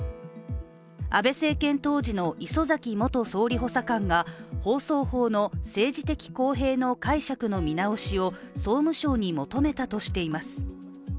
安倍政権当時の磯崎元総理補佐官が放送法の政治的公平の解釈の見直しを総務省に求めたとしています。